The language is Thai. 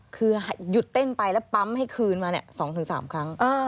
คือหยุดเต้นไปแล้วปั๊มให้คืนมา๒๓ครั้ง